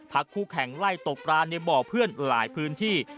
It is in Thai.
คู่แข่งไล่ตกปลาในบ่อเพื่อนหลายพื้นที่